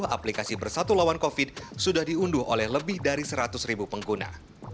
aplikasi bersatu lawan covid sembilan belas sudah diunduh oleh lebih dari seratus ribu pengguna